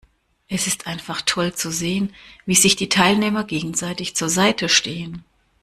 Es ist einfach toll zu sehen, wie sich die Teilnehmer gegenseitig zur Seite stehen.